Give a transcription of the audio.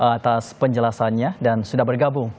atas penjelasannya dan sudah bergabung